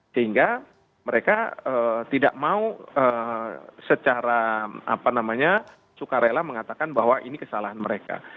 sehingga mereka tidak mau secara sukarela mengatakan bahwa ini kesalahan mereka